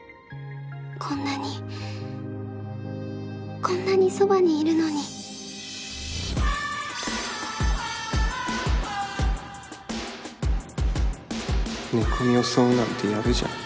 こんなにこんなにそばにいるのに寝込み襲うなんてやるじゃん